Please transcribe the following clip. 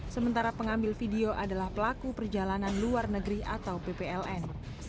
sementara pengambil video adalah pelaku perjalanan luar negeri atau ppln